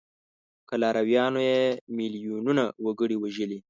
که لارویانو یې میلیونونه وګړي وژلي.